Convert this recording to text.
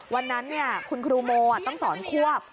วันนั้นคุณครูโมต้องสอนควบ